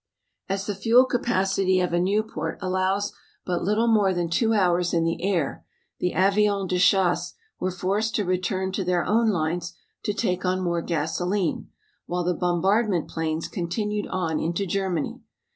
As the fuel capacity of a Nieuport allows but little more than two hours in the air the avions de chasse were forced to return to their own lines to take on more gasoline, while the bombardment planes continued on into Germany.